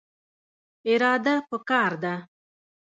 اراده پکار ده